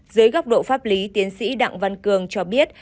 dưới góc độ pháp lý tiến sĩ đặng văn cường cho biết